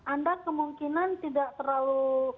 anda kemungkinan tidak terlalu